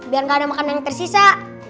biar gak ada makanan yang tersisa